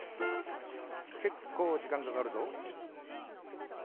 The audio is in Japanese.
「けっこうじかんかかるぞ。」